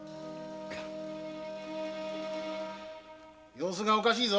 様子がおかしいぞ！